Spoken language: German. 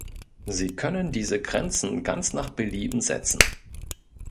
Sie können diese Grenzen ganz nach Belieben setzen.